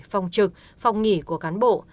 phòng trực phòng nghỉ của cán bộ